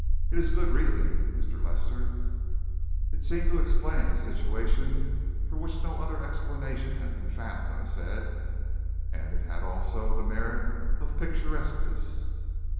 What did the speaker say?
"It is good reasoning, Mr. Lester." "It seemed to explain a situation for which no other explanation has been found," I said. "And it had also the merit of picturesqueness."